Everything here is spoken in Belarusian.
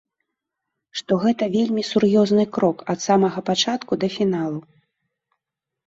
Што гэта вельмі сур'ёзны крок ад самага пачатку да фіналу.